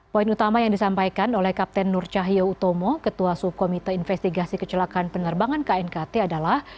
poin utama yang disampaikan oleh kapten nur cahyo utomo ketua subkomite investigasi kecelakaan penerbangan knkt adalah